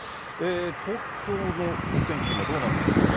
東京のお天気、今どうなんでしょうか。